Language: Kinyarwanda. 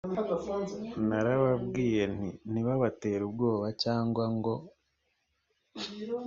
narababwiye nti ntibabatere ubwoba cyangwa ngo